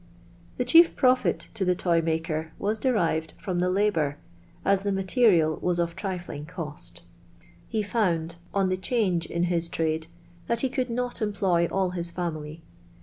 The chief profit to the toy maker was derived from the labour, as the material was of trifling cost He found, on the change in his trade, that he could not employ all his &mily.